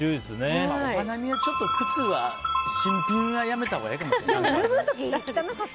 お花見は、ちょっと靴は新品はやめたほうがええかもしれない。